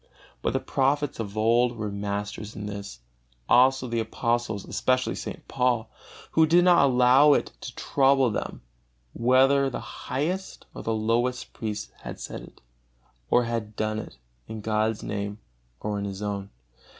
But the prophets of old were masters in this; also the apostles, especially St. Paul, who did not allow it to trouble them whether the highest or the lowest priest had said it, or had done it in God's Name or in his own.